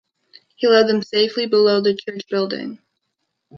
He led them to safety below the church building.